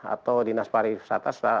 atau dinas pariwisata